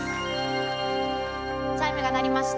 チャイムが鳴りました。